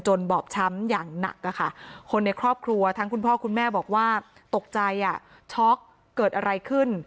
บอบช้ำอย่างหนักคนในครอบครัวทั้งคุณพ่อคุณแม่บอกว่าตกใจช็อกเกิดอะไรขึ้น